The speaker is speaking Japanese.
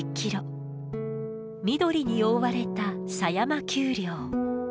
緑に覆われた狭山丘陵。